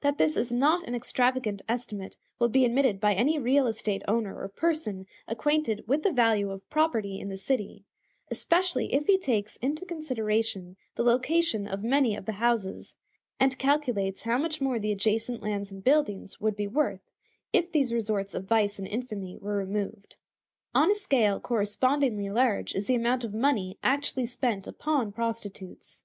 That this is not an extravagant estimate will be admitted by any real estate owner or person acquainted with the value of property in the city; especially if he takes into consideration the location of many of the houses, and calculates how much more the adjacent lands and buildings would be worth if these resorts of vice and infamy were removed. On a scale correspondingly large is the amount of money actually spent upon prostitutes.